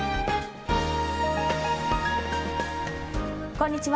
こんにちは。